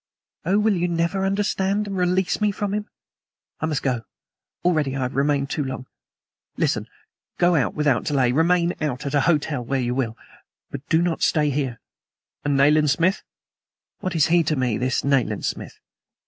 "Oh, will you never understand and release me from him! I must go. Already I have remained too long. Listen. Go out without delay. Remain out at a hotel, where you will, but do not stay here." "And Nayland Smith?" "What is he to me, this Nayland Smith?